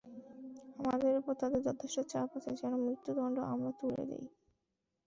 আমাদের ওপর তাদের যথেষ্ট চাপ আছে যেন মৃত্যুদণ্ড আমরা তুলে দিই।